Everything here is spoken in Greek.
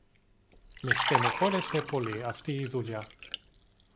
Με στενοχώρεσε πολύ αυτή η δουλειά